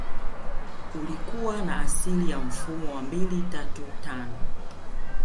Ulikua na asili ya mfumo wa mbili tatu tano